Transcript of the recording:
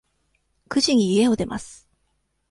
九時に家を出ます。